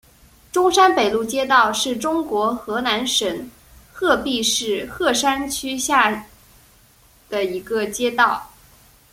中山北路街道是中国河南省鹤壁市鹤山区下辖的一个街道。